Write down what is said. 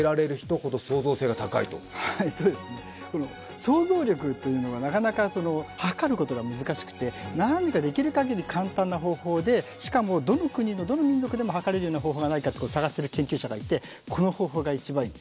創造力というのは、なかなか測ることが難しくて何かできる限り簡単な方法でしかもどの国のどの民族でも図れる方法がないかと探している民族学者がいて、この方法が一番いい。